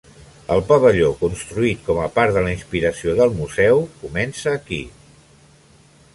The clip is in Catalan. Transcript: El Pavelló, construït com a part de la inspiració del Museu, Comença aquí!